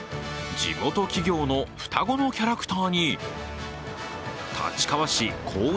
地元企業の双子のキャラクターに立川市公認